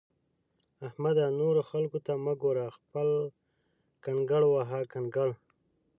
احمده! نورو خلګو ته مه ګوره؛ خپل کنګړ وهه کنکړ!